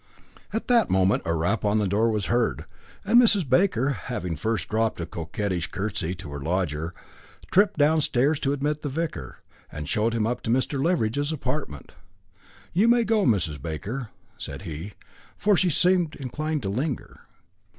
At that moment a rap at the door was heard; and Mrs. Baker, having first dropped a coquettish curtsy to her lodger, tripped downstairs to admit the vicar, and to show him up to Mr. Leveridge's apartment. "You may go, Mrs. Baker," said he; for she seemed inclined to linger.